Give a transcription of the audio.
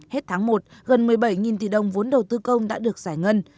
hết tháng một gần một mươi bảy tỷ đồng vốn đầu tư công đã được giải ngân